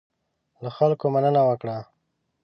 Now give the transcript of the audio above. له خلکو مننه وکړه.